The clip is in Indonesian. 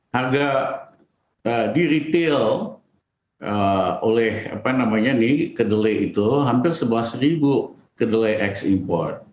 harga di retail oleh kedelai itu hampir rp sebelas